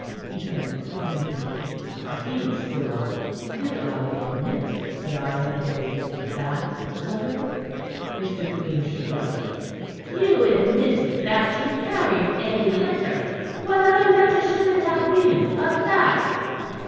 He turned to Green. "Harkee, sirrah did I admit that I had carried that letter?" Mr. Green shrugged. "You admitted that you carried a letter. What other letter should it have been but that?"